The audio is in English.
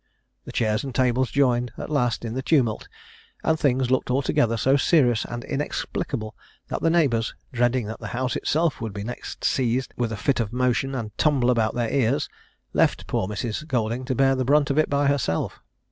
The chairs and tables joined, at last, in the tumult, and things looked altogether so serious and inexplicable, that the neighbours, dreading that the house itself would next be seized with a fit of motion, and tumble about their ears, left poor Mrs. Golding to bear the brunt of it by herself.